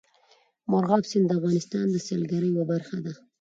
مورغاب سیند د افغانستان د سیلګرۍ یوه برخه ده.